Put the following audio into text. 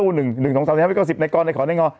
ไหนก้อนไหนขอแท้งอ